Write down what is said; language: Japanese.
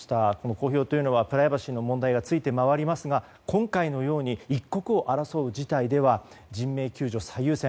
公表というのはプライバシーの問題がついて回りますが、今回のように一刻を争う事態では人命救助最優先。